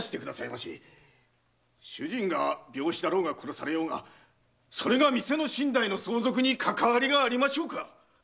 主人が病死だろうが殺されようがそれが店の身代の相続にかかわりがありましょうか？